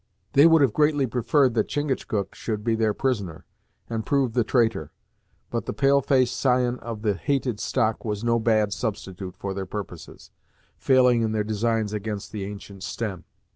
They would have greatly preferred that Chingachgook should be their prisoner, and prove the traitor, but the pale face scion of the hated stock was no bad substitute for their purposes, failing in their designs against the ancient stem.